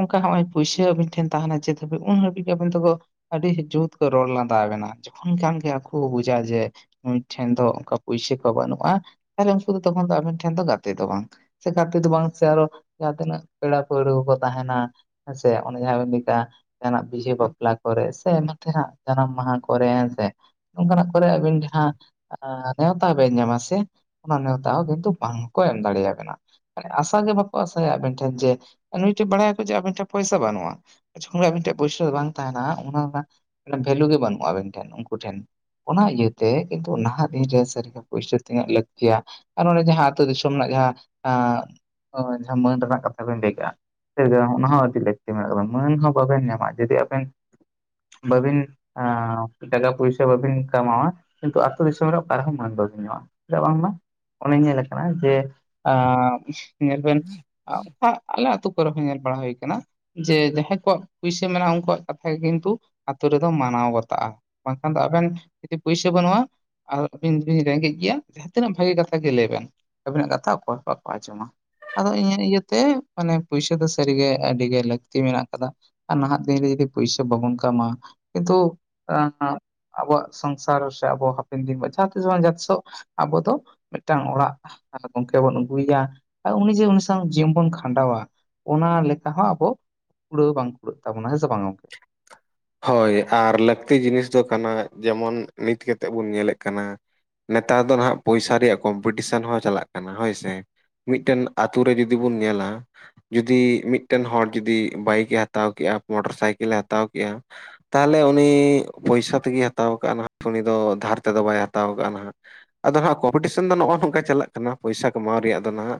ᱚᱱᱠᱟ ᱦᱚᱸᱜ ᱚᱭ ᱯᱩᱭᱥᱟᱹ ᱟᱵᱤᱱ ᱴᱷᱮᱱ ᱛᱟᱦᱮᱸᱱᱟ ᱪᱮᱫ ᱦᱟᱹᱵᱤᱡ ᱩᱱ ᱦᱟᱹᱵᱤᱡ ᱜᱮ ᱟᱵᱮᱱ ᱫᱚᱠᱚ ᱟᱹᱰᱤ ᱡᱩᱛ ᱠᱚ ᱨᱚᱲ ᱞᱟᱸᱫᱟ ᱟᱵᱮᱱᱟ ᱡᱚᱠᱷᱚᱱ ᱠᱷᱟᱱ ᱜᱮ ᱟᱠᱚ ᱵᱩᱡᱟ ᱡᱮ ᱱᱩᱭ ᱴᱷᱮᱱ ᱫᱚ ᱚᱱᱠᱟ ᱯᱩᱭᱥᱟᱹ ᱠᱚ ᱵᱟᱹᱱᱩᱜ-ᱟ ᱛᱟᱦᱞᱮ ᱩᱱᱠᱩ ᱫᱚ ᱛᱚᱠᱷᱚᱱ ᱫᱚ ᱟᱵᱮᱱ ᱴᱷᱮᱱ ᱫᱚ ᱜᱟᱛᱮ ᱫᱚ ᱵᱟᱝ ᱥᱮ ᱜᱟᱛᱮ ᱫᱚ ᱵᱟᱝ ᱥᱮ ᱟᱨᱦᱚᱸ ᱡᱟᱦᱟᱸ ᱛᱤᱱᱟᱹᱜ ᱯᱮᱲᱟ ᱯᱟᱹᱲᱦᱟᱹ ᱠᱚᱠᱚ ᱛᱟᱦᱮᱱᱟ ᱦᱮᱸᱥᱮ ᱚᱱᱮ ᱡᱟᱦᱟᱸ ᱵᱤᱱ ᱞᱟᱹᱭ ᱠᱮᱜ-ᱟ ᱡᱟᱦᱟᱱᱟᱜ ᱵᱤᱦᱟᱹ ᱵᱟᱯᱞᱟ ᱠᱚᱨᱮ ᱥᱮ ᱮᱢᱟᱱᱛᱮᱱᱟᱜ ᱡᱟᱱᱟᱢ ᱢᱟᱦᱟ ᱠᱚᱨᱮ ᱦᱮᱸ ᱥᱮ ᱱᱚᱝᱠᱟᱱᱟᱜ ᱠᱚᱨᱮ ᱟᱵᱤᱱ ᱡᱟᱦᱟᱸ ᱟᱸᱻ ᱱᱮᱶᱛᱟ ᱵᱮᱱ ᱧᱟᱢᱟ ᱥᱮ ᱚᱱᱟ ᱱᱮᱣᱛᱟ ᱦᱚᱸ ᱠᱤᱱᱛᱩ ᱵᱟᱝᱠᱚ ᱮᱢ ᱫᱟᱲᱮᱭᱟ ᱵᱮᱱᱟ ᱢᱟᱱᱮ ᱟᱥ ᱟᱥᱟ ᱜᱮ ᱵᱟᱠᱚ ᱟᱥᱟᱭᱟ ᱟᱵᱮᱱ ᱴᱷᱮᱱ ᱡᱮ, ᱱᱩᱭ ᱴᱷᱮᱜ ᱵᱟᱲᱟᱭᱟᱠᱚ ᱡᱮ ᱟᱵᱮᱱ ᱴᱷᱮᱡ ᱯᱩᱭᱥᱟ ᱵᱟᱹᱱᱩᱜᱼᱟ᱾ ᱡᱚᱠᱷᱚᱱ ᱟᱵᱤᱱ ᱴᱷᱮᱱ ᱯᱩᱭᱥᱟᱹ ᱵᱟᱝ ᱛᱟᱦᱮᱸᱱᱟ, ᱚᱱᱟ ᱨᱮᱱᱟᱜ ᱵᱷᱮᱞᱩ ᱜᱮ ᱵᱟᱹᱱᱩᱜ-ᱟ ᱟᱹᱵᱤᱱ ᱴᱷᱮᱱ ᱩᱱᱠᱩ ᱴᱷᱮᱱ᱾ ᱚᱱᱟ ᱤᱭᱟᱹᱛᱮ ᱠᱤᱱᱛᱩ ᱱᱟᱦᱟᱜ ᱫᱤᱱᱨᱮ ᱥᱟᱹᱨᱤ ᱜᱮ ᱯᱩᱭᱥᱟᱹ ᱛᱤᱱᱟᱹᱜ ᱞᱟᱹᱠᱛᱭᱟ ᱾ ᱟᱨ ᱚᱱᱮ ᱡᱟᱦᱟᱸ ᱟᱹᱛᱳ ᱫᱤᱥᱚᱢ ᱨᱮᱱᱟᱜ ᱡᱟᱦᱟᱸ ᱢᱟᱹᱱ ᱨᱮᱱᱟᱜ ᱠᱟᱛᱷᱟ ᱵᱤᱱ ᱞᱟᱹᱭ ᱠᱮᱜ-ᱟ ᱾ ᱚᱱᱟ ᱦᱚᱸ ᱟᱹᱰᱤ ᱞᱟᱹᱠᱛᱤ ᱢᱮᱱᱟᱜ-ᱟ, ᱢᱟᱹᱱ ᱦᱚᱸ ᱵᱟᱵᱮᱱ ᱧᱟᱢᱟ ᱡᱩᱫᱤ ᱟᱵᱮᱱ ᱵᱟᱵᱤᱱ ᱟᱸᱻᱴᱟᱠᱟ ᱯᱩᱭᱥᱟᱹ ᱵᱟᱹᱵᱤᱱ ᱠᱟᱢᱟᱣᱟ ᱠᱤᱱᱛᱩ ᱟᱛᱳ ᱫᱤᱥᱚᱢ ᱨᱮ, ᱚᱠᱟ ᱨᱮᱦᱚᱸ ᱢᱟᱹᱱ ᱵᱟᱵᱮᱱ ᱧᱟᱢᱼᱟ ᱾ ᱪᱤᱫᱟᱜ ᱵᱟᱝᱢᱟ ᱚᱱᱮ ᱧᱮᱞ ᱠᱟᱱᱟ, ᱡᱮ ᱟᱻᱻ ᱧᱮᱞ ᱵᱮᱱ ᱟᱱᱠᱟ ᱟᱞᱮ ᱟᱹᱛᱳ ᱠᱚᱨᱮ ᱦᱚᱸ ᱧᱮᱞ ᱵᱟᱲᱟ ᱦᱩᱭ ᱠᱟᱱᱟ ᱾ ᱡᱮ ᱡᱟᱦᱟᱸᱭ ᱠᱚᱣᱟᱜ ᱯᱩᱭᱥᱟᱹ ᱢᱮᱱᱟᱜ-ᱟ, ᱩᱱᱠᱩᱣᱟᱜ ᱠᱟᱛᱷᱟ ᱜᱮ ᱠᱤᱱᱛᱩ ᱟᱛᱳ ᱨᱮᱫᱚ ᱢᱟᱱᱟᱣ ᱵᱟᱛᱟᱜ-ᱟ᱾ ᱵᱟᱝᱠᱷᱟᱱ ᱫᱚ ᱟᱵᱮᱱ ᱡᱩᱫᱤ ᱯᱩᱭᱥᱟᱹ ᱵᱟᱹᱱᱩᱜ-ᱟ ᱟᱨ ᱟᱹᱵᱤᱱ ᱵᱤᱱ ᱨᱮᱸᱜᱮᱡ ᱜᱮᱭᱟ ᱡᱟᱦᱟᱸ ᱛᱤᱱᱟᱹᱜ ᱵᱷᱟᱹᱜᱮ ᱠᱟᱛᱷᱟ ᱜᱮ ᱞᱟᱹᱭ ᱵᱮᱱ ᱟᱵᱤᱱᱟᱜ ᱠᱟᱛᱷᱟ ᱚᱠᱚᱭ ᱦᱚᱸ ᱵᱟᱠᱚ ᱟᱸᱡᱚᱢᱟ᱾ ᱟᱫᱚ ᱤᱧᱟᱹᱜ ᱤᱭᱟᱹᱛᱮ ᱢᱟᱱᱮ ᱯᱩᱭᱥᱟᱹ ᱫᱚ, ᱥᱟᱹᱨᱤᱜᱮ ᱟᱹᱰᱤ ᱜᱮ ᱞᱟᱹᱠᱛᱤ ᱢᱮᱱᱟᱜ ᱠᱟᱫᱟ ᱾ ᱟᱨ ᱱᱟᱦᱟᱜ ᱫᱤᱱᱨᱮ ᱡᱚᱫᱤ ᱯᱩᱭᱥᱟᱹ ᱵᱟᱵᱚᱱ ᱠᱟᱢᱟ ᱠᱤᱱᱛᱩ ᱟᱵᱚᱣᱟᱜ ᱥᱚᱝᱥᱟᱨ ᱥᱮ ᱟᱵᱚ ᱦᱟᱯᱮᱱ ᱫᱤᱱ ᱡᱟᱦᱟᱸ ᱛᱤᱥ ᱵᱟᱝ ᱡᱟᱦᱟᱸ ᱛᱤᱥᱚᱜ ᱟᱵᱚ ᱫᱚ ᱢᱤᱫᱴᱟᱝ ᱚᱲᱟᱜ ᱟᱨ ᱜᱚᱝᱠᱮ ᱵᱚᱱ ᱟᱹᱜᱩᱭᱮᱭᱟ ᱾ ᱟᱨ ᱩᱱᱤ ᱡᱮ ᱩᱱᱤ ᱥᱟᱶ ᱡᱤᱭᱚᱱ ᱵᱚᱱ ᱠᱷᱟᱸᱰᱟᱣᱟ ᱚᱱᱟ ᱞᱮᱠᱟ ᱦᱚᱸ ᱟᱵᱚ ᱠᱩᱲᱟᱹᱣ ᱵᱟᱝ ᱠᱩᱲᱟᱹᱜ ᱛᱟᱵᱚᱱᱟ ᱦᱮᱸ ᱥᱮ ᱵᱟᱝ ᱜᱚᱝᱠᱮ? [unintelligible] ᱦᱳᱭ ᱟᱨ ᱞᱟᱹᱠᱛᱤ ᱡᱤᱱᱤᱥ ᱫᱚ ᱠᱟᱱᱟ ᱡᱮᱢᱚᱱ ᱱᱤᱛ ᱠᱟᱛᱮᱜ ᱵᱚᱱ ᱧᱮᱞᱮᱜ ᱠᱟᱱᱟ ᱾ ᱱᱮᱛᱟᱨ ᱫᱚ ᱱᱟᱦᱟᱜ ᱯᱚᱭᱥᱟ ᱨᱮᱭᱟᱜ ᱠᱚᱢᱯᱤᱴᱤᱥᱮᱱ ᱦᱚᱸ ᱪᱟᱞᱟᱜ ᱠᱟᱱᱟ ᱦᱳᱭ ᱥᱮ᱾ ᱢᱤᱫᱴᱮᱱ ᱟᱛᱳ ᱨᱮ ᱡᱩᱫᱤ ᱵᱚᱱ ᱧᱮᱞᱟ ᱡᱩᱫᱤ ᱢᱤᱫᱴᱮᱱ ᱦᱚᱲ ᱡᱩᱫᱤ ᱵᱟᱭᱤᱠᱮ ᱦᱟᱛᱟᱣ ᱠᱮᱜ-ᱟ, ᱢᱚᱴᱚᱨ ᱥᱟᱭᱠᱮᱞᱮ ᱦᱟᱛᱟᱣ ᱠᱮᱜ-ᱟ ᱛᱟᱦᱚᱞᱮ ᱩᱱᱤ ᱯᱚᱭᱥᱟ ᱛᱮᱜᱮᱭ ᱦᱟᱛᱟᱣ ᱠᱟᱜ-ᱟ, ᱱᱟᱦᱟᱜ ᱩᱱᱤ ᱫᱚ ᱫᱷᱟᱨ ᱛᱮᱫᱚ ᱵᱟᱭ ᱦᱟᱛᱟᱣ ᱠᱟᱜ-ᱟ, ᱱᱟᱦᱟᱜ ᱟᱫᱚ ᱦᱟᱸᱜ ᱠᱚᱢᱯᱤᱴᱤᱥᱮᱱ ᱫᱚ ᱱᱚᱜ-ᱚᱜ ᱱᱚᱝᱠᱟ ᱪᱟᱞᱟᱜ ᱠᱟᱱᱟ, ᱯᱚᱭᱥᱟ ᱠᱟᱢᱟᱣ ᱨᱮᱭᱟᱜ ᱫᱚ ᱱᱟᱜ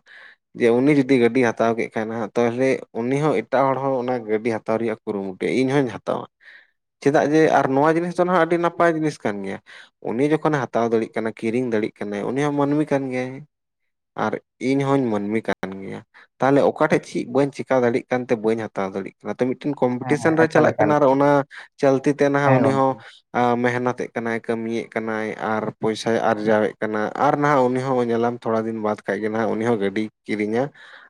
ᱡᱮ ᱩᱱᱤ ᱡᱩᱫᱤ ᱜᱟᱹᱰᱤ ᱦᱟᱛᱟᱣ ᱠᱮᱜ ᱠᱷᱟᱱ ᱱᱟᱜ, ᱛᱟᱦᱚᱞᱮ ᱩᱱᱤ ᱦᱚᱸ ᱮᱴᱟᱜ ᱦᱚᱲ ᱦᱚᱸ ᱚᱱᱟ ᱜᱟᱹᱰᱤ ᱦᱟᱛᱟᱣ ᱨᱮᱭᱟᱜ ᱠᱩᱨᱩᱢᱩᱴᱩᱭᱟ ᱤᱧ ᱦᱚᱧ ᱦᱟᱛᱟᱣᱼᱟ, ᱪᱮᱫᱟᱜ ᱡᱮ ᱟᱨ ᱱᱚᱣᱟ ᱡᱤᱱᱤᱥ ᱫᱚ ᱦᱟᱸᱜ ᱟᱹᱰᱤ ᱱᱟᱯᱟᱭ ᱡᱤᱱᱤᱥ ᱠᱟᱱ ᱜᱮᱭᱟ ᱾ ᱩᱱᱤ ᱡᱚᱠᱷᱚᱱᱮ ᱦᱟᱛᱟᱣ ᱫᱟᱲᱤᱜ ᱠᱟᱱᱟ ᱠᱤᱨᱤᱧ ᱫᱟᱲᱮᱜ ᱠᱟᱱᱟᱭ ᱩᱱᱤ ᱦᱚᱸ ᱢᱟᱹᱱᱢᱤ ᱠᱟᱱ ᱜᱮᱭᱟᱭ ᱟᱨ ᱤᱧ ᱦᱚᱸᱧ ᱢᱟᱹᱱᱢᱤ ᱠᱟᱱ ᱜᱮᱭᱟ ᱾ ᱛᱟᱦᱚᱞᱮ ᱚᱠᱟᱴᱷᱮᱡ ᱪᱤ ᱵᱟᱹᱧ ᱪᱤᱠᱟᱹ ᱫᱟᱲᱜ ᱠᱟᱱᱛᱮ ᱵᱟᱹᱧ ᱦᱟᱛᱟᱣ ᱫᱟᱲᱮᱜ ᱚᱱᱟᱛᱮ ᱢᱤᱫᱴᱮᱱ ᱦᱮᱸ ᱦᱮᱸ ᱠᱚᱢᱯᱤᱴᱤᱥᱮᱱ ᱨᱮ ᱮᱠᱟᱞ ᱪᱟᱞᱟᱜ ᱮᱠᱟᱞ ᱠᱟᱱᱟ, ᱟᱨ ᱚᱱᱟ ᱪᱚᱞᱛᱤ ᱛᱮ ᱱᱟᱦᱟᱜ ᱦᱮᱸ ᱩᱱᱤ ᱦᱚᱸ ᱜᱚᱝᱠᱮ ᱢᱮᱦᱱᱚᱛᱮᱜ ᱠᱟᱱᱟᱭ ᱠᱟᱹᱢᱤᱭᱮᱜ ᱠᱟᱱᱟᱭ ᱟᱨ ᱯᱚᱭᱥᱟᱭ ᱟᱨᱡᱟᱣᱮᱜ ᱠᱟᱱᱟ, ᱟᱨ ᱱᱟᱦᱟᱜ ᱩᱱᱤ ᱦᱚᱸ ᱧᱮᱞᱟᱢ ᱛᱷᱚᱲᱟ ᱫᱤᱱ ᱵᱟᱫ ᱠᱷᱟᱡ ᱜᱮ ᱱᱟᱦᱟᱜ ᱩᱱᱤ ᱦᱚᱸ ᱜᱟᱹᱰᱤ ᱠᱤᱨᱤᱧᱟ᱾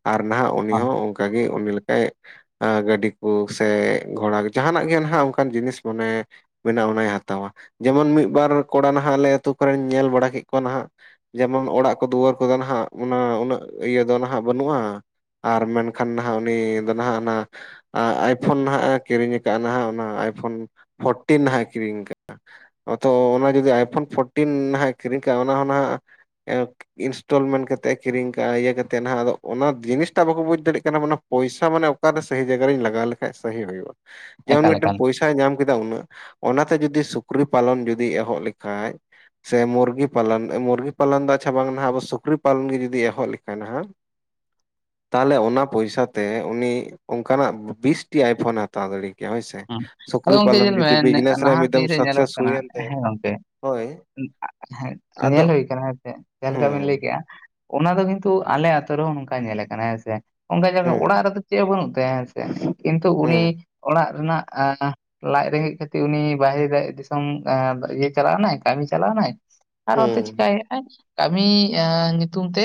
ᱟᱨ ᱱᱟᱦᱟᱜ ᱩᱱᱤ ᱦᱚᱸ ᱚᱱᱠᱟ ᱜᱮ ᱩᱱᱤ ᱞᱮᱠᱟᱭ ᱜᱟᱹᱰᱤ ᱠᱚ ᱥᱮ ᱜᱷᱚᱲᱟ ᱡᱟᱦᱟᱱᱟᱜ ᱜᱮ ᱱᱟᱦᱟᱜ ᱚᱱᱠᱟᱱ ᱡᱤᱱᱤᱥ ᱢᱟᱱᱮ ᱢᱮᱱᱟᱜ ᱚᱱᱟᱭ ᱦᱟᱛᱟᱣᱟ ᱡᱮᱢᱚᱱ ᱢᱤᱫ ᱵᱟᱨ ᱠᱚᱲᱟ ᱱᱟᱦᱟᱜ ᱟᱞᱮ ᱟᱹᱛᱩ ᱠᱚᱨᱮᱱ ᱧᱮᱞ ᱵᱟᱲᱟ ᱠᱮᱫ ᱠᱚᱣᱟ ᱱᱟᱦᱟᱜ ᱡᱮᱢᱚᱱ ᱚᱲᱟᱜ ᱠᱚ ᱫᱩᱣᱟᱹᱨ ᱠᱚᱫᱚ, ᱱᱟᱦᱟᱜ ᱚᱱᱟ ᱩᱱᱟᱹᱜ ᱤᱭᱟᱹ ᱫᱚ ᱱᱟᱦᱟᱜ ᱵᱟᱹᱱᱩᱜ-ᱟ ᱾ ᱟᱨ ᱢᱮᱱᱠᱷᱟᱱ ᱱᱟᱦᱟᱜ ᱩᱱᱤ, ᱫᱚ ᱱᱟᱦᱟᱜ ᱚᱱᱟ ᱟᱭᱯᱷᱳᱱ ᱱᱟᱦᱟᱜ ᱠᱤᱨᱤᱧ ᱚᱱᱟ ᱟᱭᱯᱷᱳᱱ ᱯᱷᱳᱨᱴᱤᱱ ᱱᱟᱦᱟᱸᱜ ᱠᱤᱨᱤᱧ ᱠᱟᱫᱟ ᱾ ᱛᱚ ᱚᱱᱟ ᱡᱩᱫᱤ ᱟᱭᱯᱷᱳᱱ ᱯᱷᱳᱨᱴᱤᱱ ᱱᱟᱦᱟᱜ ᱠᱤᱨᱤᱧ ᱠᱟᱜ-ᱟ ᱚᱱᱟ ᱦᱚᱸ ᱱᱟᱱᱟᱜ ᱤᱱᱥᱴᱚᱞᱢᱮᱱᱴ ᱠᱟᱛᱮ ᱮ ᱠᱤᱨᱤᱧ ᱠᱟᱜ-ᱟ, ᱤᱭᱟᱹ ᱠᱟᱛᱮᱫ ᱱᱟᱦᱟᱜ ᱟᱫᱚ ᱚᱱᱟ ᱡᱤᱱᱤᱥᱴᱟᱜ ᱵᱟᱠᱚ ᱵᱩᱡᱽ ᱫᱟᱲᱮᱭᱟᱜ ᱠᱟᱱᱟ ᱯᱚᱭᱥᱟ ᱢᱟᱱᱮ ᱚᱠᱟᱨᱮ ᱥᱟᱹᱦᱤ ᱡᱟᱭᱜᱟ ᱨᱤᱧ ᱞᱟᱜᱟᱣ ᱞᱮᱠᱷᱟᱡ ᱥᱟᱹᱦᱤ ᱦᱩᱭᱩᱜ-ᱟ,? ᱡᱮᱢᱚᱱ ᱮᱠᱟᱞ ᱢᱤᱫᱴᱮᱱ ᱮᱠᱟᱞ ᱯᱚᱭᱥᱟ ᱯᱚᱭᱥᱟ ᱧᱟᱢ ᱠᱮᱫᱟ ᱩᱱᱟᱹᱜ, ᱚᱱᱟᱛᱮ ᱡᱩᱫᱤ ᱥᱩᱠᱨᱤ ᱯᱟᱞᱚᱱ ᱡᱩᱫᱤ ᱮᱦᱚᱵ ᱞᱮᱠᱷᱟᱡ ᱥᱮ ᱢᱩᱨᱜᱤ ᱯᱟᱞᱚᱱ ᱢᱩᱨᱜᱤ ᱯᱟᱞᱚᱱ ᱫᱚ ᱟᱪᱪᱷᱟ ᱵᱟᱝ ᱱᱟᱦᱟᱜ ᱟᱵᱚ ᱥᱩᱠᱨᱤ ᱯᱟᱞᱚᱱ ᱜᱮ ᱡᱩᱫᱤ ᱮᱦᱚᱵ ᱞᱮᱠᱷᱟᱱ ᱦᱟᱸᱜ, ᱛᱟᱦᱚᱞᱮ ᱚᱱᱟ ᱯᱚᱭᱥᱟ ᱛᱮ ᱩᱱᱤ, ᱚᱱᱠᱟᱱᱟᱜ ᱵᱤᱥᱴᱤ ᱟᱭᱯᱷᱳᱱ ᱦᱟ ᱛᱟᱲᱟ ᱛᱟᱲᱤ ᱜᱮᱭᱟ ᱦᱳᱭ ᱥᱮ, ᱦᱩᱸ ᱟᱫᱚ ᱥᱩᱠᱨᱤ ᱜᱚᱝᱠᱮ ᱯᱟᱞᱚᱱ ᱧᱮᱞ ᱢᱮ ᱡᱩᱫᱤ ᱵᱤᱡᱽᱱᱮᱥ ᱨᱮ ᱱᱟᱦᱟᱜ ᱢᱤᱫ ᱫᱷᱟᱣ ᱫᱤᱱ ᱧᱮᱞᱚᱜ ᱥᱟᱠᱥᱮᱥ ᱠᱟᱱᱟ ᱦᱩᱭᱮᱱ ᱛᱟᱭᱟ ᱦᱮᱸ ᱜᱚᱝᱠᱮ ᱦᱳᱭ᱾ ᱟᱫᱚ ᱧᱮᱞ ᱦᱩᱭ ᱠᱟᱱᱟ ᱦᱮᱸ ᱥᱮ, ᱡᱟᱦᱟ ᱞᱮᱠᱟ ᱵᱮᱱ ᱞᱟᱹᱭ ᱦᱩᱸ ᱠᱮᱜ-ᱟ᱾ ᱚᱱᱟ ᱫᱚ ᱠᱤᱱᱛᱩ ᱟᱞᱮ ᱟᱛᱳ ᱨᱮᱦᱚᱸ ᱱᱚᱝᱠᱟ ᱧᱮᱞ ᱠᱟᱱᱟ ᱦᱮᱸ ᱥᱮ, ᱚᱱᱠᱟ ᱧᱮᱞᱵᱮ ᱦᱩᱸ ᱚᱲᱟᱜ ᱨᱮᱫᱚ ᱪᱮᱫ ᱦᱚᱸ ᱵᱟᱹᱱᱩᱜ ᱛᱟᱭᱟ ᱦᱮᱥ ᱠᱤᱱᱛᱩ ᱩᱱᱤ ᱦᱩᱸ ᱚᱲᱟᱜ ᱨᱮᱱᱟᱜ ᱟᱸᱻᱻ ᱞᱟᱡᱽ ᱨᱮᱸᱜᱮᱡ ᱠᱷᱟᱹᱛᱤᱨ ᱩᱱᱤ ᱵᱟᱦᱤᱨᱮ ᱫᱤᱥᱚᱢ ᱤᱭᱟᱹ ᱪᱟᱞᱟᱣ ᱱᱟᱭ ᱠᱟᱹᱢᱤ ᱪᱟᱞᱟᱣ ᱱᱟᱭ᱾ ᱟᱨ ᱚᱱᱛᱮ ᱦᱩᱸ ᱪᱤᱠᱟᱭᱮᱜᱼᱟᱭ ᱠᱟᱢᱤ ᱤᱭᱟᱹ ᱧᱩᱛᱩᱢ ᱛᱮ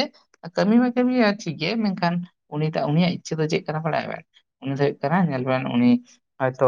ᱠᱟᱹᱢᱤ ᱢᱟ ᱠᱟᱹᱢᱤᱭᱮᱜ ᱴᱷᱤᱠ ᱜᱮ ᱢᱮᱱᱠᱷᱟᱱ ᱩᱱᱤᱴᱟᱜ ᱩᱱᱤᱭᱟᱜ ᱤᱪᱪᱷᱟᱹ ᱫᱚ ᱪᱮᱜ ᱠᱟᱱᱟ ᱵᱟᱲᱟᱭᱟ ᱵᱮᱱ? ᱩᱱᱤ ᱫᱚ ᱦᱩᱭᱩᱜ ᱠᱟᱱᱟ ᱧᱮᱞᱵᱮᱱ ᱩᱱᱤ ᱦᱚᱭᱛᱚ,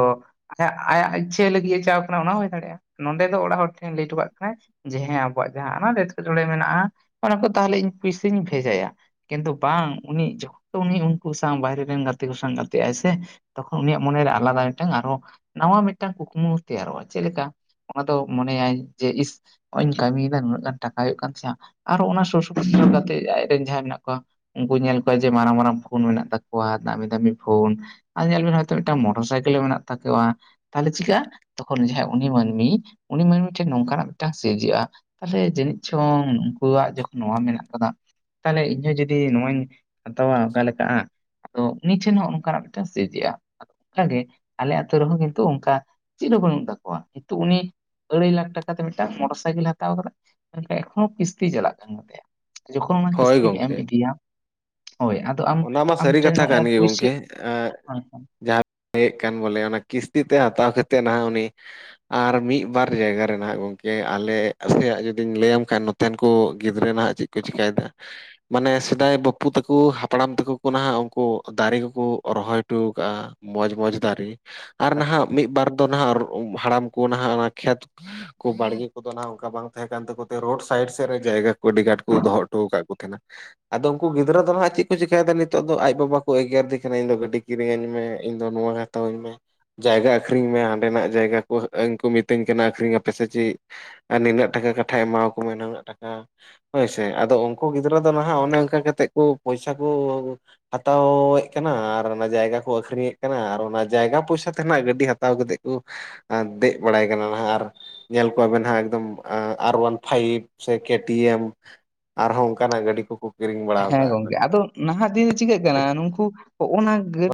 ᱟᱭ ᱟᱭᱟᱜ ᱤᱪᱪᱷᱟᱹ ᱞᱟᱹᱜᱤᱫ ᱮ ᱪᱟᱣ ᱠᱟᱱᱟ ᱚᱱᱟ ᱦᱚᱸ ᱦᱩᱭ ᱫᱟᱲᱮᱭᱟᱜᱼᱟ᱾ ᱱᱚᱸᱰᱮ ᱫᱚ ᱚᱲᱟᱜ ᱦᱚᱲ ᱴᱷᱮᱱ ᱞᱟᱹᱭ ᱴᱚ ᱠᱟᱜ ᱠᱟᱱᱟᱭ ᱡᱮ ᱦᱮᱸ ᱟᱵᱚᱣᱟᱜ ᱡᱟᱦᱟᱸ ᱟᱱᱟᱴ ᱮᱸᱴᱠᱮᱴᱚᱬᱮ ᱢᱮᱱᱟᱜᱼᱟ, ᱚᱱᱟ ᱠᱚ ᱛᱟᱦᱚᱞᱮ ᱤᱧ ᱯᱩᱭᱥᱟᱹᱧ ᱵᱷᱮᱡᱟᱭᱟ᱾ ᱠᱤᱱᱛᱩ ᱵᱟᱝ ᱩᱱᱤ ᱡᱚᱠ ᱩᱱᱤ ᱩᱱᱠᱩ ᱥᱟᱶ ᱵᱟᱭᱨᱮ ᱨᱮᱱ ᱜᱟᱛᱮ ᱠᱚ ᱥᱟᱶ ᱜᱟᱛᱮᱜᱼᱟᱭ ᱥᱮ, ᱛᱚᱠᱷᱚᱱ ᱩᱱᱤᱭᱟᱜ ᱢᱚᱱᱮᱨᱮ ᱟᱞᱟᱫᱟ ᱢᱤᱫᱴᱟᱝ ᱟᱨᱦᱚᱸ ᱱᱟᱣᱟ ᱢᱤᱜᱴᱟᱝ ᱠᱩᱠᱢᱩ ᱛᱮᱭᱟᱨᱚᱜᱼᱟ᱾ ᱪᱮᱜ ᱞᱮᱠᱟ ᱚᱱᱟ ᱫᱚ ᱢᱚᱱᱮᱭᱟᱭ ᱡᱮ ᱤᱥ ᱦᱚᱜᱼᱚᱭ ᱤᱧ ᱠᱟᱹᱢᱤᱭᱮᱫᱟ ᱱᱩᱱᱟᱹᱜ ᱜᱟᱱ ᱴᱟᱠᱟ ᱦᱩᱭᱩᱜ ᱠᱟᱱ ᱛᱤᱧᱼᱟ, ᱟᱨᱚ ᱚᱱᱟ ᱥᱳᱨ ᱥᱳᱯᱳᱨ ᱜᱟᱛᱮ ᱟᱡᱨᱮᱱ ᱡᱟᱦᱟᱸᱭ ᱢᱮᱱᱟᱜ ᱠᱚᱣᱟ, ᱩᱱᱠᱩ ᱧᱮᱞ ᱠᱚᱣᱟ ᱡᱮ ᱢᱟᱨᱟᱝ ᱢᱟᱨᱟᱝ ᱯᱷᱳᱱ ᱢᱮᱱᱟᱜ ᱛᱟᱠᱚᱣᱟ, ᱫᱟᱢᱤ ᱫᱟᱢᱤ ᱯᱷᱳᱱ, ᱟᱫᱚ ᱧᱮᱞ ᱵᱤᱱ ᱦᱚᱭᱛᱳ ᱢᱤᱫᱴᱟᱝ ᱢᱚᱴ ᱴᱚᱨ ᱥᱟᱭᱠᱮᱞ ᱢᱮᱱᱟᱜ ᱛᱟᱠᱚᱣᱟ᱾ ᱛᱟᱦᱞᱮ ᱪᱤᱠᱟᱹᱜᱼᱟ? ᱛᱚᱠᱷᱚᱱ ᱡᱟᱦᱟᱸᱭ ᱩᱱᱤ ᱢᱟᱹᱱᱢᱤ ᱩᱱᱤ ᱢᱟᱹᱱᱢᱤ ᱴᱷᱮᱱ ᱱᱚᱝᱠᱟᱱᱟᱜ ᱢᱤᱫᱴᱟᱱ ᱥᱤᱨᱡᱟᱹᱜᱼᱟ, ᱛᱟᱞᱦᱮ ᱡᱟᱹᱱᱤᱡ ᱪᱚᱝ ᱩᱱᱠᱩᱣᱟᱜ ᱡᱚᱠᱷᱚᱱ ᱱᱚᱣᱟ ᱢᱮᱱᱟᱜ ᱠᱟᱫᱟ ᱛᱟᱦᱞᱮ ᱤᱧᱦᱚᱸ ᱡᱩᱚᱫᱤ ᱱᱚᱣᱟᱧ ᱦᱟᱛᱟᱣᱟ ᱚᱠᱟ ᱞᱮᱠᱟᱜᱼᱟ ᱟᱫᱚ ᱩᱱᱤ ᱴᱷᱮᱱ ᱦᱚᱸ ᱚᱱᱠᱟᱱᱟᱜ ᱢᱤᱫᱴᱮᱱ ᱥᱤᱡᱟᱹᱜᱼᱟ᱾ ᱚᱱᱠᱟᱜᱮ ᱟᱞᱮ ᱟᱛᱳ ᱨᱮᱦᱚᱸ ᱠᱤᱱᱛᱩ ᱚᱱᱠᱟ ᱪᱮᱜ ᱦᱚᱸ ᱵᱟᱹᱱᱩᱜ ᱛᱟᱠᱚᱣᱟ ᱠᱤᱱᱛᱩ ᱩᱱᱤ ᱟᱹᱲᱟᱹᱭ ᱞᱟᱠᱷ ᱴᱟᱠᱟ ᱛᱮ ᱢᱤᱫᱴᱟᱝ ᱢᱚᱴᱚᱨ ᱥᱟᱭᱠᱮᱞᱮ ᱦᱟᱛᱟᱣ ᱠᱟᱫᱟ᱾ ᱢᱮᱱᱠᱷᱟᱱ ᱮᱠᱷᱚᱱᱳ ᱠᱤᱥᱛᱤ ᱪᱟᱞᱟᱜ ᱠᱟᱱ ᱜᱮᱛᱟᱭᱟ᱾ ᱡᱚᱠᱷᱚᱱ ᱚᱱᱟ ᱦᱳᱭ ᱠᱤᱥᱛᱤᱢ ᱮᱢ ᱜᱚᱝᱠᱮ ᱤᱫᱤᱭᱟ ᱦᱳᱭ ᱟᱫ ᱚᱱᱟ ᱢᱟ ᱥᱟᱹᱨᱤ ᱠᱟᱛᱷᱟ ᱠᱟᱱ ᱜᱮ ᱜᱚᱝᱠᱮ᱾ ᱮᱸᱜ ᱡᱟᱦᱟᱸ ᱤᱭᱟᱹᱜ ᱠᱟᱱ ᱵᱚᱞᱮ ᱚᱱᱟ ᱠᱤᱥᱛᱤ ᱛᱮ ᱦᱟᱛᱟᱣ ᱠᱟᱛᱮᱫ ᱱᱟᱦᱟᱜ ᱩᱱᱤ ᱟᱨ ᱢᱤᱜ ᱵᱟᱨ ᱡᱟᱭᱜᱟ ᱨᱮᱱᱟᱜ ᱜᱚᱝᱠᱮ ᱟᱞᱮ ᱥᱮᱭᱟᱜ ᱡᱩᱫᱤᱧ ᱞᱟᱹᱭᱟᱢ ᱠᱷᱟᱱ ᱱᱚᱛᱮᱱ ᱠᱩ ᱜᱤᱫᱽᱨᱟᱹ ᱱᱟᱦᱟᱜ ᱪᱮᱜ ᱠᱚ ᱪᱤᱠᱟᱹᱭᱮᱫᱟ ᱢᱟᱱᱮ ᱥᱮᱫᱟᱭ ᱵᱟᱹᱵᱩ ᱛᱟᱠᱚ ᱦᱟᱯᱲᱟᱢ ᱛᱟᱠᱚ ᱠᱟ ᱱᱟᱦᱟᱜ ᱩᱱᱠᱩ ᱫᱟᱨᱮ ᱠᱚᱠᱚ ᱨᱚᱦᱚᱭᱴᱚ ᱟᱠᱟᱜᱼᱟ ᱢᱚᱡᱽ ᱢᱚᱡᱽ ᱫᱟᱨᱮ ᱟᱨ ᱱᱟᱦᱟᱜ ᱢᱤᱜᱵᱟᱨ ᱫᱚ ᱱᱟᱦᱟᱜ ᱦᱟᱲᱟᱢ ᱠᱚ ᱱᱟᱦᱟᱜ ᱚᱱᱟ ᱠᱷᱮᱛ ᱠᱩ ᱵᱟᱲᱜᱮ ᱠᱚᱫᱚ ᱱᱟᱦᱟᱜ ᱚᱱᱠᱟ ᱵᱟᱝ ᱛᱟᱦᱮᱸ ᱠᱟᱱ ᱛᱟᱠᱚ ᱛᱮ ᱨᱳᱰ ᱥᱟᱭᱤᱰ ᱥᱮᱫ ᱨᱮ ᱡᱟᱭᱜᱟ ᱟᱹᱰᱤ ᱟᱸᱴ ᱠᱚ ᱫᱚᱦᱚ ᱴᱚᱣ ᱠᱟᱜ ᱠᱚ ᱛᱷᱮᱱᱟ ᱟᱫᱚ ᱩᱱᱠᱩ ᱜᱤᱫᱽᱨᱟᱹ ᱫᱚ ᱦᱟᱸᱜ ᱪᱮᱫᱽ ᱠᱩ ᱪᱮᱠᱟᱭ ᱫᱟ ᱱᱤᱛᱚᱜ ᱫᱚ, ᱟᱡ ᱵᱟᱵᱟ ᱠᱚ ᱮᱜᱮᱨᱮ ᱫᱮ ᱠᱟᱱᱟ ᱤᱧ ᱫᱚ ᱜᱟᱹᱰᱤ ᱠᱤᱨᱤᱧᱟᱹᱧ ᱢᱮ, ᱤᱧ ᱫᱚ ᱱᱚᱣᱟ ᱦᱟᱛᱟᱣᱟᱹᱧ ᱢᱮ᱾ ᱡᱟᱭᱜᱟ ᱟᱠᱷᱨᱤᱧ ᱢᱮ ᱦᱟᱸᱰᱮᱱᱟᱜ ᱡᱟᱭᱜᱟ ᱠᱚ ᱤᱧ ᱠᱚ ᱢᱤᱛᱟᱹᱧ ᱠᱟᱱᱟ ᱟᱹᱷᱨᱤᱧ ᱟᱯᱮ ᱥᱮ ᱪᱮᱜ? ᱟᱨ ᱱᱤᱱᱟᱹᱜ ᱴᱟᱠᱟ ᱠᱟᱴᱷᱟ ᱮᱢᱟᱣ ᱠᱚ ᱢᱮ ᱱᱩᱱᱟᱹᱜ ᱴᱟᱠᱟ᱾ ᱦᱳᱭᱥᱮ ᱟᱫᱚ ᱩᱱᱠᱩ ᱜᱤᱫᱽᱨᱟᱹ ᱫᱚ ᱱᱟᱦᱟᱜ ᱚᱱᱮ ᱚᱱᱠᱟ ᱠᱟᱛᱮᱜ ᱠᱚ ᱯᱚᱭᱥᱟ ᱠᱚ ᱦᱟᱛᱟᱣᱮᱜ ᱠᱟᱱᱟ ᱟᱨ ᱚᱱᱟ ᱡᱟᱭᱜᱟ ᱠᱚ ᱟᱹᱷᱨᱤᱧᱮᱜ ᱠᱟᱱᱟ ᱟᱨ ᱚᱱᱟ ᱡᱟᱭᱜᱟ ᱯᱚᱭᱥᱟ ᱛᱮ ᱱᱟᱜ ᱜᱟᱹᱰᱤ ᱦᱟᱛ ᱦᱟᱛᱟᱣ ᱠᱟᱛᱮᱜ ᱠᱚ ᱫᱮᱜ ᱵᱟᱲᱟᱭ ᱠᱟᱱᱟ ᱱᱟᱦᱟᱜ ᱟᱨ ᱧᱮᱞ ᱠᱚᱣᱟ ᱵᱮᱱ ᱦᱟᱸᱜ ᱮᱠᱫᱚᱢ ᱟᱨ ᱚᱣᱟᱱ ᱯᱷᱟᱭᱤᱵ ᱥᱮ ᱠᱮᱴᱤᱭᱮᱢ, ᱟᱨᱦᱚᱸ ᱚᱱᱠᱟᱱᱟᱜ ᱜᱟᱹᱰᱤ ᱠᱚᱠᱚ ᱠᱤᱨᱤᱧ ᱵᱟᱲᱟᱣ ᱦᱮᱸ ᱠᱟᱜᱼᱟ ᱦᱳᱭ᱾ ᱜᱚᱝᱠᱮ ᱟᱫᱚ ᱱᱟᱦᱟᱜ ᱫᱤᱱ ᱫᱚ ᱪᱤᱠᱟᱹᱜ ᱠᱟᱱᱟ ᱱᱩᱠᱩ ᱦᱚᱜᱼᱚ ᱱᱟ ᱜᱟ